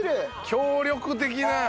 協力的な。